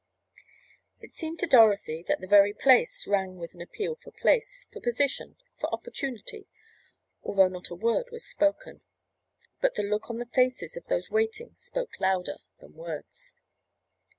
It seemed to Dorothy that the very place rang with an appeal for place, for position—for opportunity, although not a word was spoken. But the look on the faces of those waiting spoke louder than words.